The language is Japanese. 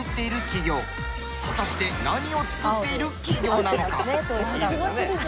果たして何を作っている企業なのか？